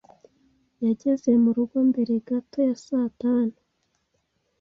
Yageze murugo mbere gato ya saa tanu.